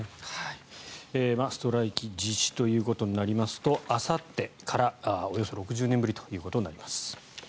ストライキ実施ということになりますとあさってからおよそ６０年ぶりということになります。